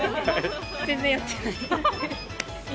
全然やってない。